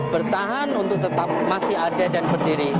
bertahan untuk tetap masih ada dan berdiri